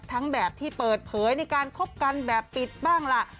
แบบที่เปิดเผยในการคบกันแบบปิดบ้างล่ะ